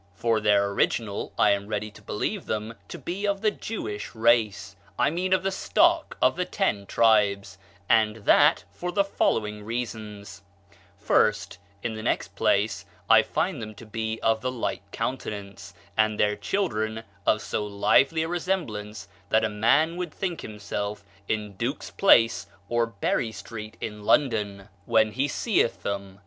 For their original, I am ready to believe them to be of the Jewish race I mean of the stock of the ten tribes and that for the following reasons: first, in the next place, I find them to be of the like countenance, and their children of so lively a resemblance that a man would think himself in Duke's Place or Berry Street in London when he seeth them.